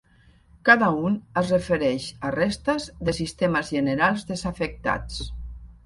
cada un es refereix a restes de sistemes generals desafectats.